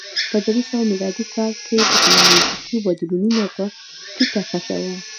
په درې سوه میلادي کال کې ټکنالوژیکي بدلونونه په ټیټه کچه و.